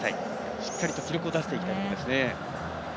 しっかりと記録を出していきたいですね。